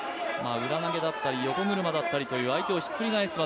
裏投げだったり横車だったりという相手をひっくり返す技。